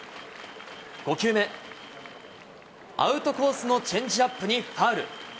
５球目、アウトコースのチェンジアップにファウル。